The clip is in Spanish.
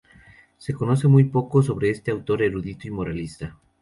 Se conoce muy poco sobre este autor erudito y moralista.